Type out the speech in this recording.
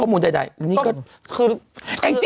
นี่นี่นี่นี่นี่